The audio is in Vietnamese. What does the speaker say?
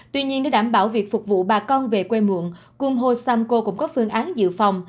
tuy nhiên để đảm bảo việc phục vụ bà con về quê muộn cung ho samco cũng có phương án dự phòng